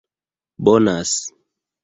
Bonas